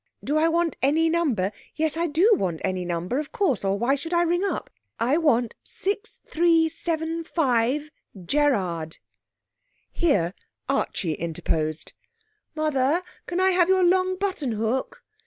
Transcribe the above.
Do I want any number? Yes, I do want any number, of course, or why should I ring up?... I want 6375 Gerrard.' Here Archie interposed. 'Mother, can I have your long buttonhook?'